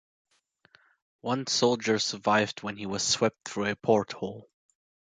One soldier survived when he was swept through a port hole.